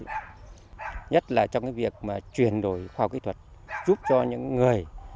nhất là trong việc chuyển đổi khoa học kỹ thuật giúp cho những người